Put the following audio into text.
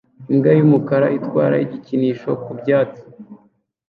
Imbwa y'umukara itwara igikinisho ku byatsi